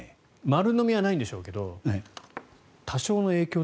丸のみはないんでしょうけど多少の影響は？